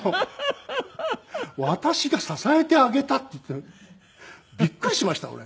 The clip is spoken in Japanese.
「私が支えてあげた」って言ってビックリしました俺。